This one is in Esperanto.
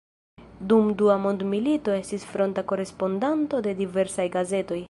Dum dua mondmilito estis fronta korespondanto de diversaj gazetoj.